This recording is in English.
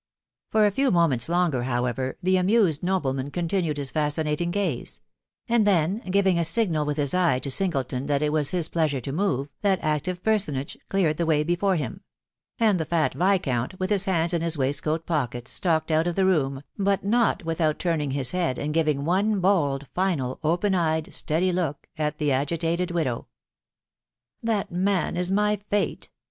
Fot b. few mo THB WIDOW MAMHABY. $OS meats longer, however, the amused nobleman continued fascinating gaze ; and then, giving a signal with his eye to* Singleton that it was his pleasure to move, that active person age cleared the way before him ; and the fat viscount, with his hands in his waistcoat pockets, stalked out of the room, hut not without turning his bead, and giving one bold, final, open eyed, steady look at the agitated widow. " That man is my fate